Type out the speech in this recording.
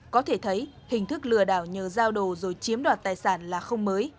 có thể thấy hình thức lừa đảo nhờ giao đồ rồi chiếm đoạt tài sản là không mới